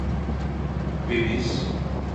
Ve biz…